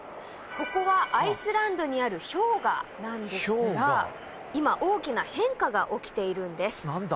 ここはアイスランドにある氷河なんですが今大きな変化が起きているんです。